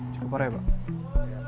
cukup parah ya pak